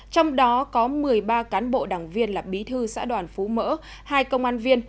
trong đó có một mươi ba cán bộ đảng viên là bí thư xã đoàn phú mỡ hai công an viên